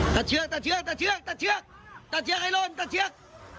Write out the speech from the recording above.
เชือกตัดเชือกตัดเชือกตัดเชือกตัดเชือกไอลนตัดเชือก